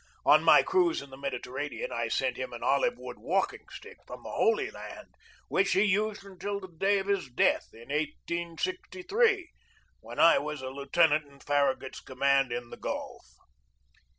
On my first cruise in the Mediterranean I sent him an olive wood walking stick from the Holy Land, which he used until the day of his death, in 1863, when I was a lieutenant in Farragut's command in the Gulf.